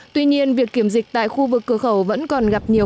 tuy nhiên việc kiểm dịch tại khu vực cửa khẩu vẫn còn gặp nhiều